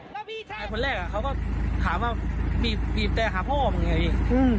คนแรกเขาก็ถามว่าบีบแตรขาพ่อมึงไงพี่